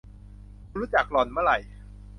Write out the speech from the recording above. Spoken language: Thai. คุณรู้จักหล่อน เมื่อไหร่ ?